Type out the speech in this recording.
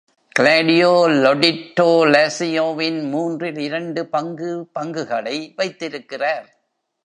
Claudio லொடிட்டோ லாசியோவின் மூன்றில் இரண்டு பங்கு பங்குகளை வைத்திருக்கிறார்.